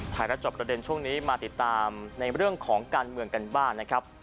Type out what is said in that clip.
รับจอบประเด็นช่วงนี้มาติดตามในเรื่องของการเมืองกันบ้างนะครับ